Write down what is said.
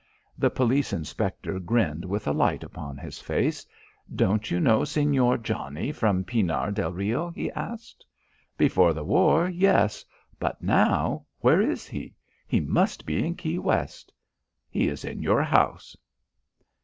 The police inspector grinned with the light upon his face. "Don't you know Señor Johnnie from Pinar del Rio?" he asked. "Before the war yes. But now where is he he must be in Key West?" "He is in your house."